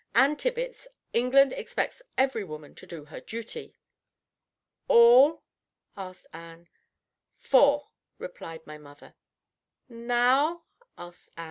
Ann Tibbits, England expects every woman to do her duty!" "All? asked Ann. "Four," replied my mother. "Now?" asked Ann.